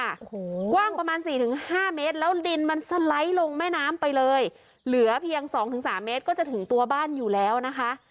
โอ้โหกว้างประมาณสี่ถึงห้าเมตรแล้วดินมันสไลด์ลงแม่น้ำไปเลยเหลือเพียงสองถึงสามเมตรก็จะถึงตัวบ้านอยู่แล้วนะคะ